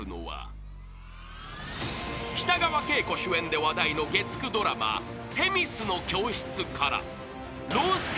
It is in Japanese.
［北川景子主演で話題の月９ドラマ『女神の教室』から］